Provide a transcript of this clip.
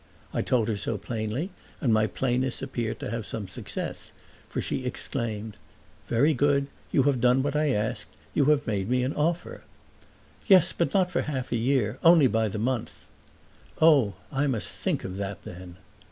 I told her so plainly, and my plainness appeared to have some success, for she exclaimed, "Very good; you have done what I asked you have made an offer!" "Yes, but not for half a year. Only by the month." "Oh, I must think of that then."